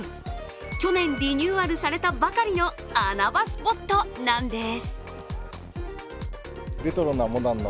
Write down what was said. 去年、リニューアルされたばかりの穴場スポットなんです。